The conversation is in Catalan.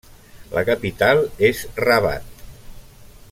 La capital és Rabat.